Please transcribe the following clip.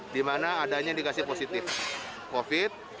di mana adanya yang dikasih positif covid sembilan belas